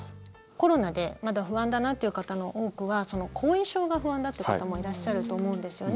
コロナでまだ不安だなという方の多くは後遺症が不安だという方もいらっしゃると思うんですよね。